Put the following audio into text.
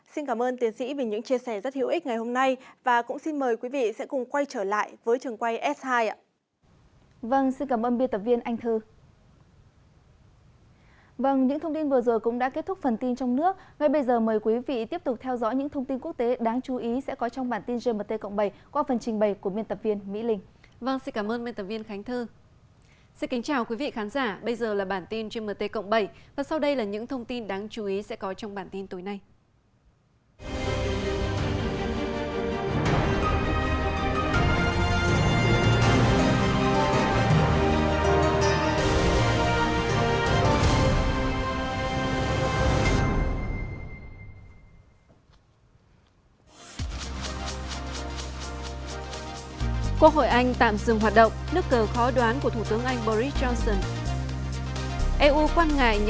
xin cảm ơn tiến sĩ vì những chia sẻ rất hữu ích